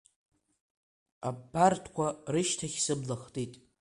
Абарҭқуа рышьҭахь сыбла хтит…